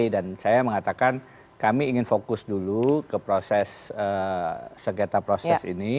dan saya mengatakan kami ingin fokus dulu ke proses segitiga proses ini